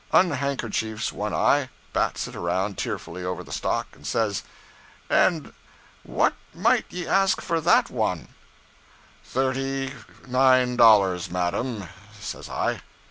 Unhandkerchiefs one eye, bats it around tearfully over the stock; says '"And fhat might ye ask for that wan?" '"Thirty nine dollars, madam," says I.